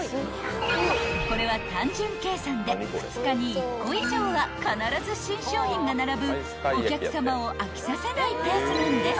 ［これは単純計算で２日に１個以上は必ず新商品が並ぶお客さまを飽きさせないペースなんです］